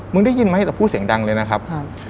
ได้ยินไหมแต่พูดเสียงดังเลยนะครับ